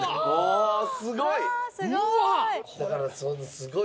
すごい。